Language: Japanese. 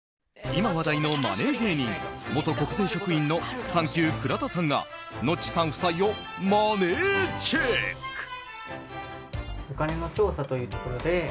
今、話題のマネー芸人元国税職員のさんきゅう倉田さんがノッチさん夫妻をマネーチェック。